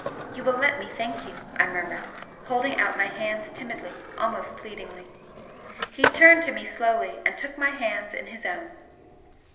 "You will let me thank you," I murmured, holding out my hands timidly almost pleadingly. He turned to me slowly and took my hands in his own.